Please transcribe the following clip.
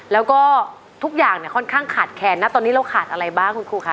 แล้วก็ทุกอย่างเนี่ยค่อนข้างขาดแค้นนะตอนนี้เราขาดอะไรบ้างคุณครูคะ